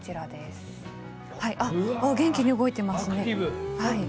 元気に動いてますね。